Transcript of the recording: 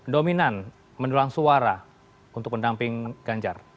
dominan mendulang suara untuk pendamping ganjar